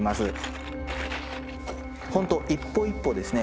ほんと一歩一歩ですね